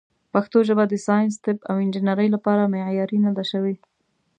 پښتو ژبه د ساینس، طب، او انجنیرۍ لپاره معیاري نه ده شوې.